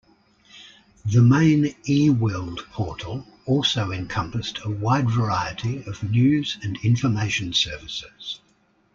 The main eWorld portal also encompassed a wide variety of news and information services.